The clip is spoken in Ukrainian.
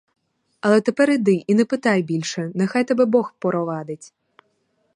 Але тепер іди і не питай більше; нехай тебе бог провадить!